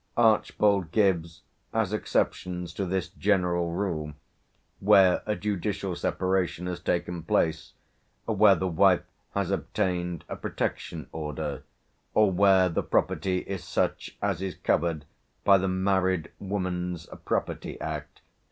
Archbold gives as exceptions to this general rule, where a judicial separation has taken place, where the wife has obtained a protection order, or where the property is such as is covered by the Married Women's Property Act, 1870.